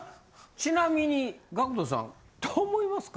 ちなみにＧＡＣＫＴさんどう思いますか？